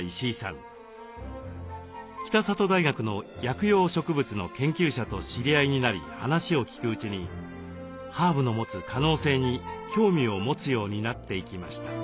北里大学の薬用植物の研究者と知り合いになり話を聞くうちにハーブの持つ可能性に興味を持つようになっていきました。